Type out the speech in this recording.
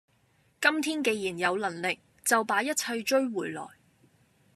今天既然有能力，就把一切追回來！